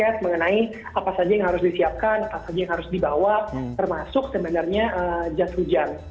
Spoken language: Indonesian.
dan juga imbauan imbauan kepada semua pembeli tiket mengenai apa saja yang harus disiapkan apa saja yang harus dibawa termasuk sebenarnya jad hujan